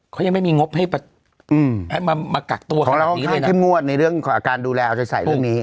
เขายังไม่มีงบให้มากักตัวขนาดนี้เลยของเราก็ขึ้นที่มวดในเรื่องการดูแลเอาใจใส่เรื่องนี้